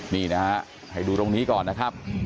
นี่นะฮะให้ดูตรงนี้ก่อนนะครับ